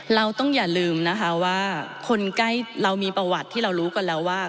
เราต้องอย่าลืมนะคะว่าคนใกล้เรามีประวัติที่เรารู้กันแล้วว่า